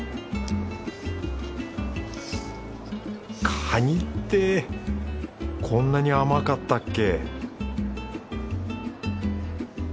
カニってこんなに甘かったっけ